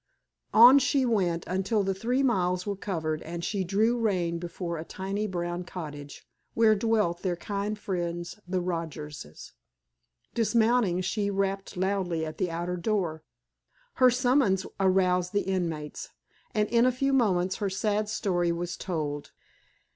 On she went, until the three miles were covered, and she drew rein before a tiny brown cottage, where dwelt their kind friends, the Rogerses. Dismounting, she rapped loudly at the outer door. Her summons aroused the inmates, and in a few moments her sad story was told.